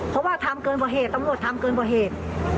เพราะว่าทำเกินกว่าเหตุตำรวจทำเกินกว่าเหตุ